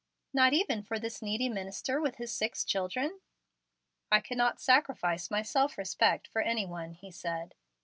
"Not even for this needy minister with his six children?" "I cannot sacrifice my self respect for any one," he said.